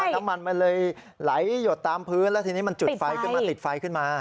น้ำมันมันเลยไหลหยดตามพื้นแล้วทีนี้มันจุดไฟขึ้นมาติดไฟขึ้นมา